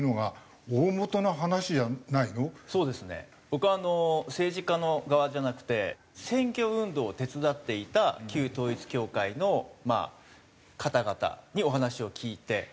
僕あの政治家の側じゃなくて選挙運動を手伝っていた旧統一教会の方々にお話を聞いて。